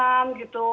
ada keuangan gitu